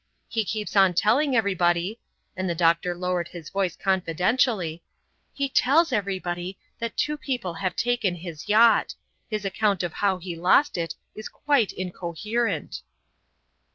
He keeps on telling everybody" and the doctor lowered his voice confidentially "he tells everybody that two people have taken is yacht. His account of how he lost it is quite incoherent."